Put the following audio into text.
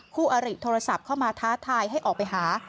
คู่อริโทรศัพท์เข้ามาท้าทายให้ออกไปหา